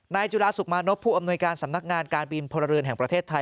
จุฬาสุขมานพผู้อำนวยการสำนักงานการบินพลเรือนแห่งประเทศไทย